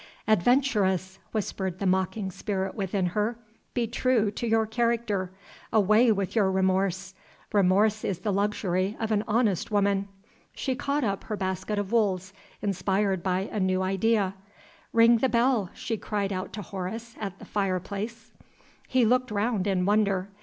"Adventuress!" whispered the mocking spirit within her, "be true to your character. Away with your remorse! Remorse is the luxury of an honest woman." She caught up her basket of wools, inspired by a new idea. "Ring the bell!" she cried out to Horace at the fire place. He looked round in wonder.